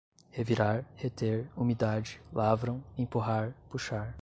revirar, reter, umidade, lavram, empurrar, puxar